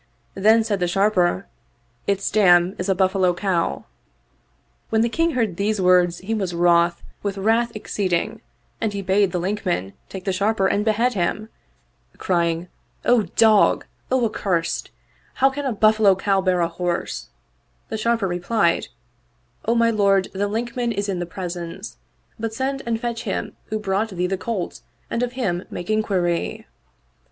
Then said the Sharper, " Its dam is a buffalo cow." When the King heard these words he was vn oth with wrath exceeding and he bade the Linkman take the Sharper and behead him, crying, "O dog! O accursed! 30 The Craft of the Three Sharpers How can a buffalo cow bear a horse?" The Sharper re plied, ''O my lord, the Linkman is in the presence; but send and fetch him who brought thee the colt and of him make inquiry.